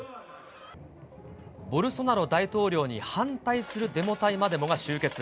ボルソナロ大統領に反対するデモ隊までもが集結。